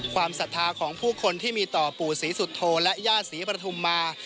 ความสัดทาของผู้คนที่มีต่อปู่ศรีสุโทรและย่าศรีปรถุมมา